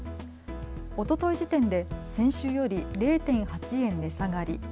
おととい時点で先週より０．８円値下がり。